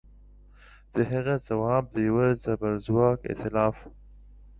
د هغه ځواب د یوه زبرځواک ایتلاف